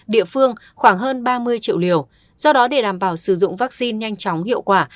địa phương khoảng hơn ba mươi triệu liều do đó để đảm bảo sử dụng vaccine nhanh chóng hiệu quả